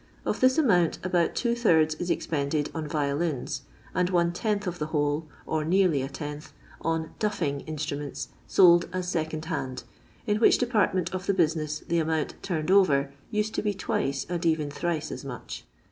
Of this amount about two thirds is expended on violins, and one tenth of the whole, or nearly a tenth, on " duffing " instruments sold as second hand, in which depart ment of the business the amount " turned over" used to be twice, and even thrice as much.